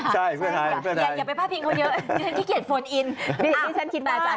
ฉันคิดมาจะอธิบายว่า